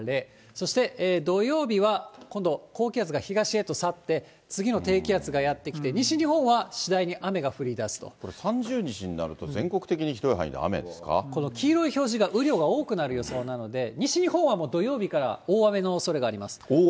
そして土曜日は今度高気圧が東へと去って、次の低気圧がやって来て、これ、３０日になると、全国この黄色い表示が雨量が多くなる予想なので、西日本はもう土曜日から大雨のおそれがあります。